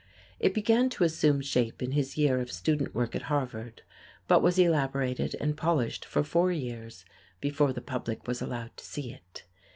It began to assume shape in his year of student work at Harvard; but was elaborated and polished for four years before the public was allowed to see it.